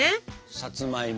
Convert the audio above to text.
さつまいも。